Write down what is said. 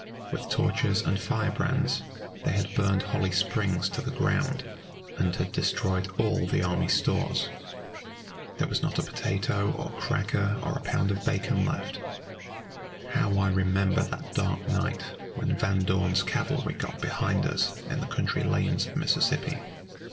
With torches and firebrands they had burned Holly Springs to the ground, and had destroyed all the army stores. There was not a potato or cracker or a pound of bacon left. How I remember that dark night when Van Dorn's cavalry got behind us in the country lanes of Mississippi!